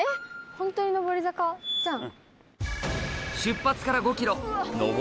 本当に上り坂じゃん！